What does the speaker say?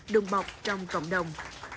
đường bọc trong cộng đồng